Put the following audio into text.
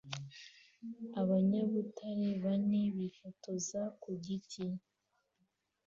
abanyabutare bane bifotoza ku giti